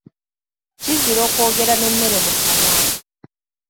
Kizira okwogera n'emmere mu kamwa.